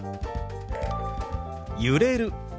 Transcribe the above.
「揺れる」。